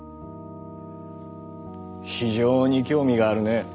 非常に興味があるね。